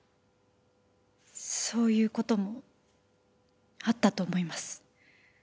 そういう事もあったと思います。